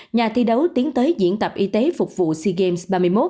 nhà thi đấu tiến tới diễn tập y tế phục vụ sea games ba mươi một